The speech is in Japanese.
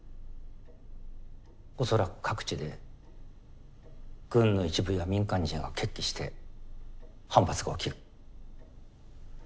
恐らく各地で軍の一部や民間人が決起して反発が起きる。